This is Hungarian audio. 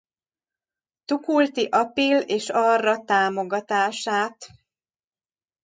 Tukulti-apil-ésarra támogatását.